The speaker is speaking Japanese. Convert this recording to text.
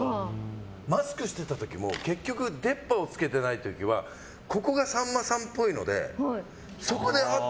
マスクしてた時も結局出っ歯をつけてない時はここが、さんまさんっぽいのでそこであっ！